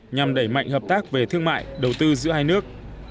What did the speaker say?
nhằm đẩy mạnh hợp tác về thương mại đầu tư giữa hai nước